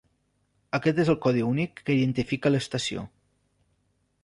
Aquest és el codi únic que identifica l'estació.